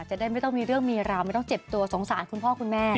จะได้ไม่ต้องมีเรื่องมีราวไม่ต้องเจ็บตัวสงสารคุณพ่อคุณแม่